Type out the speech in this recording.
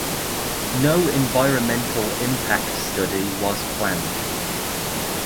No environmental impact study was planned.